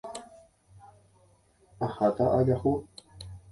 Aháta ajahu.